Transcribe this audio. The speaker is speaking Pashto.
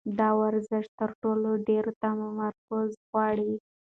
دا ورزش تر ټولو ډېر تمرکز غواړي.